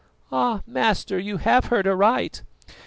"Ah! master, you have heard aright."